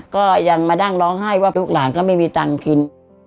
ก็ยังมานั่งร้องไห้ว่าลูกหลานก็ไม่มีตังค์กิน